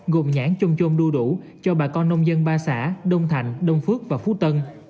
gồm nhãn chôm chôn đu đủ cho bà con nông dân ba xã đông thành đông phước và phú tân